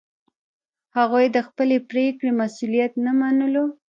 هغوی د خپلې پرېکړې مسوولیت نه منلو.